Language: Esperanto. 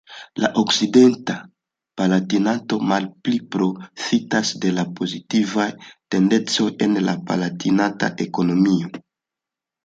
La okcidenta Palatinato malpli profitas de la pozitivaj tendencoj en la Palatinata ekonomio.